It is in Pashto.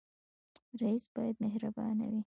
رئیس باید مهربان وي